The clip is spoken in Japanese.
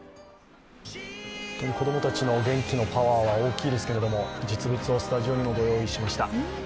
子供たちの元気のパワーは大きいですけれども、実物をスタジオにもご用意しました。